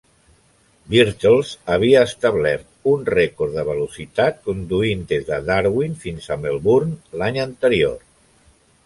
Birtles havia establert un rècord de velocitat conduint des de Darwin fins a Melbourne l'any anterior.